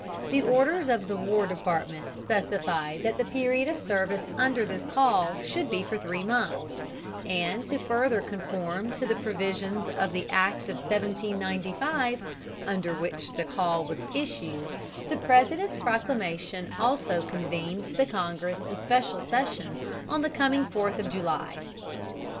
The orders of the War Department specified that the period of service under this call should be for three months; and to further conform to the provisions of the Act of 1795, under which the call was issued, the President's proclamation also convened the Congress in special session on the coming fourth of July.